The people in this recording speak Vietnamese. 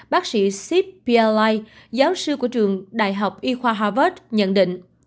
bác sĩ sip pialai giáo sư của trường đại học y khoa harvard nhận định